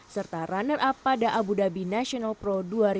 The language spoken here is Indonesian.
serta runner up pada abu dhabi national pro dua ribu tujuh belas